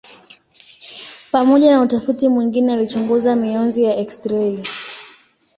Pamoja na utafiti mwingine alichunguza mionzi ya eksirei.